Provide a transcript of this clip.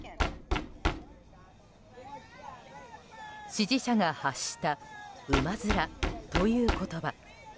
支持者が発した馬面という言葉。